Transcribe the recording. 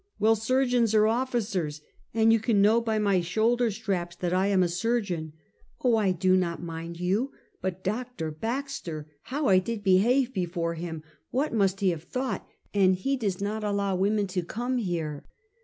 "Well, surgeons are officers, and you can know by my shoulderstraps that I am a surgeon," " Oh, I do not mind you; but Dr. Baxter! How I did behave before him! What must he have thought? And he does not allow women to come here!"